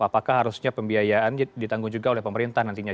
apakah harusnya pembiayaan ditanggung juga oleh pemerintah nantinya